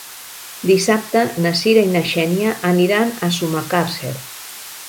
Dissabte na Sira i na Xènia aniran a Sumacàrcer.